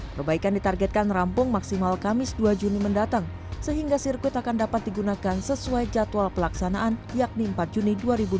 perbaikan ditargetkan rampung maksimal kamis dua juni mendatang sehingga sirkuit akan dapat digunakan sesuai jadwal pelaksanaan yakni empat juni dua ribu dua puluh